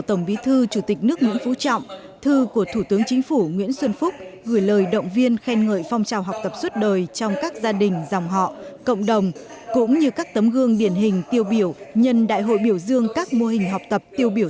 tổng bí thư chủ tịch nước mong và tin tưởng toàn thể cán bộ công chức đồng lòng đổi mới sáng tạo thực hiện tốt nhiệm vụ